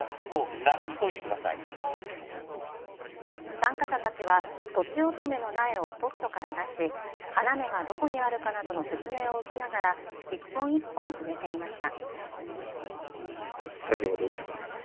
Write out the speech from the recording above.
参加者たちはとちおとめの苗をポットから出し花芽がどこにあるかなどの説明を受けながら一本一本植えていました。